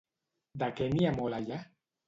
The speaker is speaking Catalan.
De què n'hi ha molt allà?